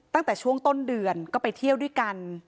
ตั้งแต่ช่วงต้นเดือนก็ไปเที่ยวด้วยกัน